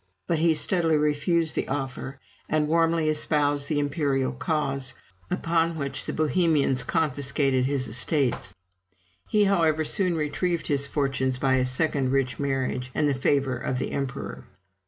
But he steadily refused the offer, and warmly espoused the imperial cause, upon which the Bohemians confiscated his estates. He, however, soon retrieved his fortunes by a second rich marriage, and the favor of the emperor.